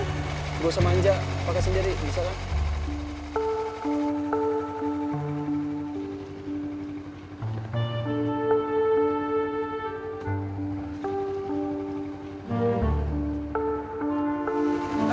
gak usah manja pake sendiri bisa lah